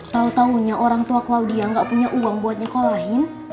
tau taunya orang tua claudia gak punya uang buat nyekolahin